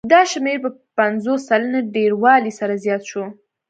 دا شمېر په پنځوس سلنې ډېروالي سره زیات شو